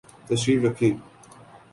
تشریف رکھئے